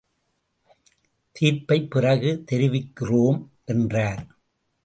தீர்ப்பைப் பிறகு தெரிவிக்கிறோம் என்றார்.